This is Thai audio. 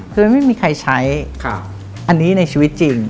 คือไม่มีใครใช้อันนี้ในชีวิตจริง